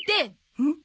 うん？